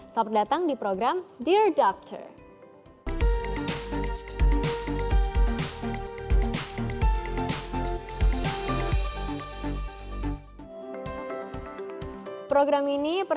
selamat datang di program dear doctor